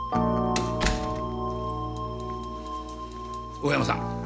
大山さん